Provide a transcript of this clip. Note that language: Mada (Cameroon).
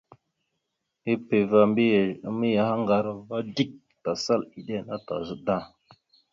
Epeva mbiyez a mayahaŋgar ava dik, tasal iɗe ana tazaɗ da.